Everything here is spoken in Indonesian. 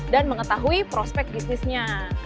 dan mengetahui prospek bisnisnya